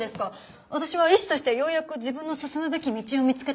私は医師としてようやく自分の進むべき道を見つけたところで。